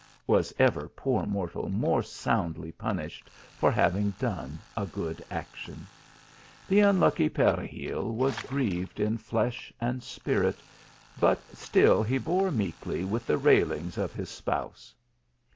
Was ever poor mortal more soundly punished, for hfiving done a good action ! The unlucky Peregil was grieved in flesh and spirit, but still he bore meekly with the railings of his spouse.